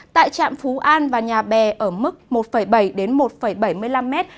tại trạm phú an và nhà bè ở mức một bảy đến một bảy mươi năm mét